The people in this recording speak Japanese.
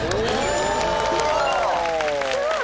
すごい！